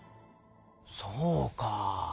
そうか。